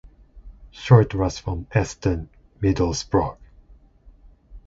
Short was from Eston, Middlesbrough.